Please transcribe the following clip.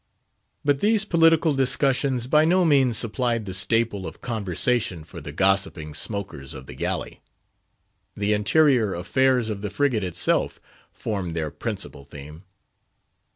But these political discussions by no means supplied the staple of conversation for the gossiping smokers of the galley. The interior affairs of the frigate itself formed their principal theme.